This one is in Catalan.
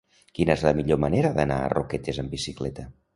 Quina és la millor manera d'anar a Roquetes amb bicicleta?